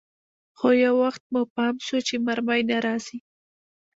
خو يو وخت مو پام سو چې مرمۍ نه راځي.